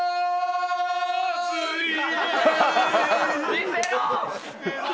見せろ！